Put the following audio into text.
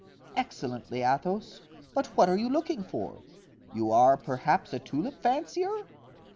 "Excellently, Athos, but what are you looking for? You are perhaps a tulip fancier?"